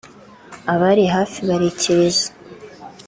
" Abari hafi barikiriza